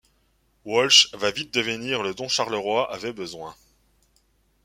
Walsh va vite devenir le dont Charleroi avait besoin.